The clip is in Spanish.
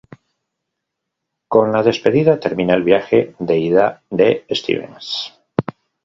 Con la despedida, termina el viaje de ida de Stevens.